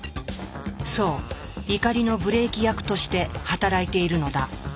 そう怒りのブレーキ役として働いているのだ。